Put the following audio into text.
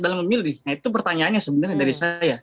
dalam memilih nah itu pertanyaannya sebenarnya dari saya